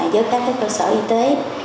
với các cái cơ sở y tế